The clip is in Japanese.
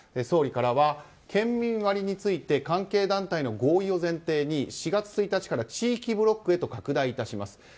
総理からは県民割について関係団体の合意を前提に４月１日から地域ブロックへと拡大致します。